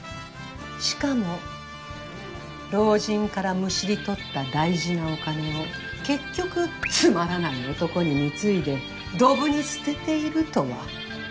しかも老人からむしり取った大事なお金を結局つまらない男に貢いでドブに捨てているとは。